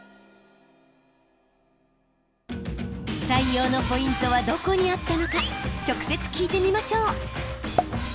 採用のポイントはどこにあったのか直接聞いてみましょう。